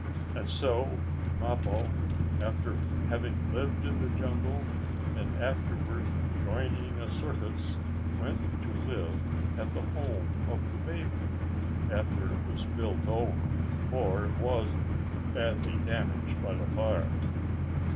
And so Mappo, after having lived in the jungle, and afterward joining a circus, went to live at the home of the baby, after it was built over, for it was badly damaged by the fire.